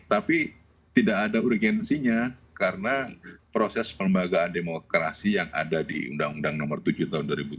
tapi tidak ada urgensinya karena proses pemelagaan demokrasi yang ada di undang undang nomor tujuh tahun dua ribu tujuh belas